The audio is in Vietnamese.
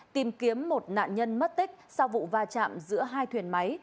tìm kiếm một nạn nhân mất tích sau vụ va chạm giữa hai thuyền máy